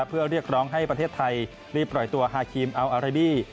เพื่อเรียกร้องให้ประเทศไทยรีบปล่อยตัวฮาครีมอัลอาเรบี้